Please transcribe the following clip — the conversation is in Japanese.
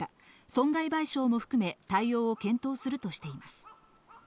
損害賠償も含め対応を検討するとしています。